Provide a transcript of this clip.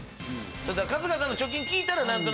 春日さんの貯金聞いたら。